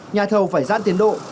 nhà thầu phải giãn tiến độ